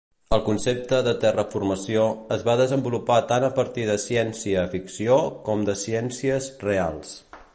El concepte de "terraformació" es va desenvolupar tant a partir de ciència ficció com de ciències reals.